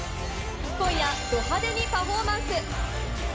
今夜、ど派手にパフォーマンス。